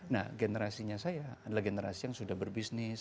nah generasinya saya adalah generasi yang sudah berbisnis